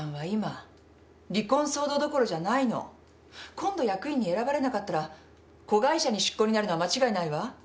今度役員に選ばれなかったら子会社に出向になるのは間違いないわ。